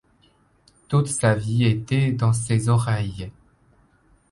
Toute sa vie était dans ses oreilles.